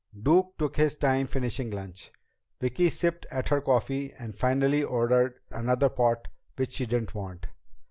Duke took his time finishing lunch. Vicki sipped at her coffee and finally ordered another pot which she didn't want.